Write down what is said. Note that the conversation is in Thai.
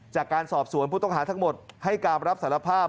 จากการสอบสวนผู้ต้องหาทั้งหมดให้การรับสารภาพ